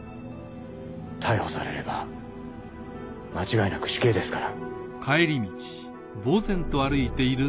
逮捕されれば間違いなく死刑ですから。